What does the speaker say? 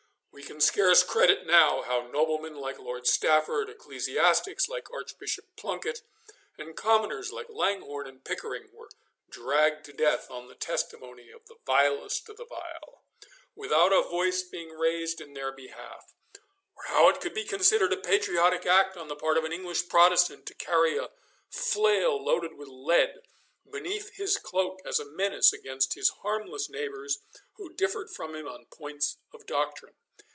We can scarce credit how noblemen like Lord Stafford, ecclesiastics like Archbishop Plunkett, and commoners like Langhorne and Pickering, were dragged to death on the testimony of the vilest of the vile, without a voice being raised in their behalf; or how it could be considered a patriotic act on the part of an English Protestant to carry a flail loaded with lead beneath his cloak as a menace against his harmless neighbours who differed from him on points of doctrine.